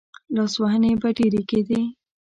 لاسوهنې به ډېرې کېدې.